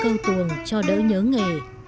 cây đại thụ tuồng cho đỡ nhớ nghề